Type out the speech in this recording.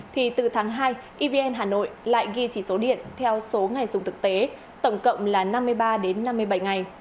thì từ tháng hai evn hà nội lại ghi chỉ số điện theo số ngày dùng thực tế tổng cộng là năm mươi ba đến năm mươi bảy ngày